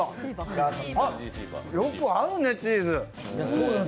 あっ、よく合うね、チーズ。